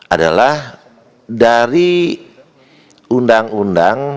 adalah dari undang undang